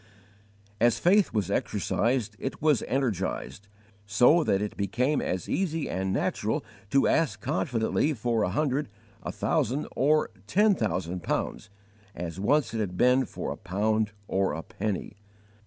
_ As faith was exercised it was energized, so that it became as easy and natural to ask confidently for a hundred, a thousand, or ten thousand pounds, as once it had been for a pound or a penny.